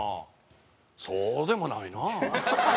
そうでもないなあ。